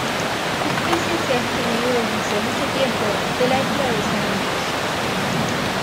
La especie se ha extinguido desde mucho tiempo de la Isla de San Ambrosio.